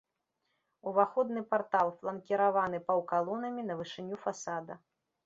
Уваходны партал фланкіраваны паўкалонамі на вышыню фасада.